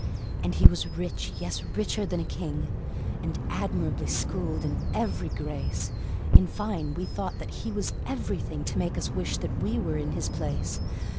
And he was rich, yes, richer than a king, And admirably schooled in every grace: In fine, we thought that he was everything To make us wish that we were in his place.